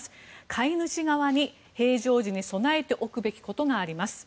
飼い主側に、平常時に備えておくべきことがあります。